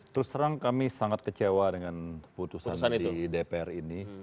terus terang kami sangat kecewa dengan putusan di dpr ini